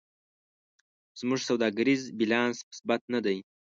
زموږ سوداګریز بیلانس مثبت نه دی.